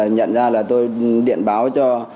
nhận ra là tôi điện báo cho